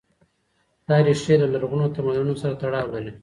دا ريښې له لرغونو تمدنونو سره تړاو لري.